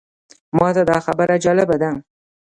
ماته دا خبره جالبه ده.